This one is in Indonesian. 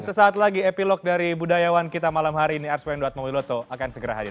dan sesaat lagi epilog dari budayawan kita malam hari ini arswendo atmobiloto akan segera hadir